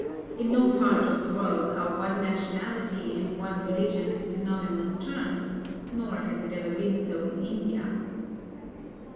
In no part of the world are one nationality and one religion synonymous terms; nor has it ever been so in India.